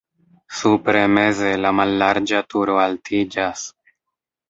Supre meze la mallarĝa turo altiĝas.